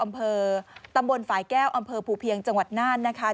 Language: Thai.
อำเภอตำบลฝ่ายแก้วอำเภอภูเพียงจังหวัดน่านนะคะ